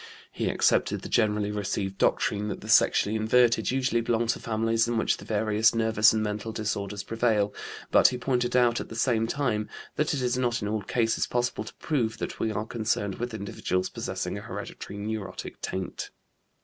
He accepted the generally received doctrine that the sexually inverted usually belong to families in which various nervous and mental disorders prevail, but he pointed out at the same time that it is not in all cases possible to prove that we are concerned with individuals possessing a hereditary neurotic taint.